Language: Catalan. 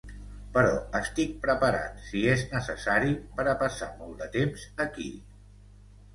Però estic preparat, si és necessari, per a passar molt de temps aquí.